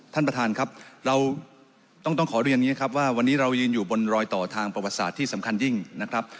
ท่านประธานครับเราต้องขอเรียนอย่างนี้ครับว่าวันนี้เรายืนอยู่บนรอยต่อทางประวัติศาสตร์ที่สำคัญยิ่งนะครับ